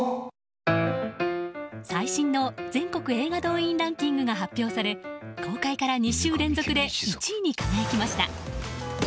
最新の全国映画動員ランキングが発表され公開から２週連続で１位に輝きました。